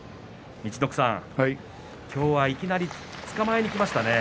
陸奥さん、今日は、いきなりつかまえにいきましたね。